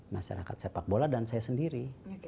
masyarakat sepak bola dan saya sendiri